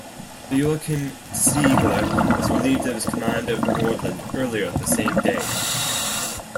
Joachim Ziegler was relieved of his command of "Nordland" earlier the same day.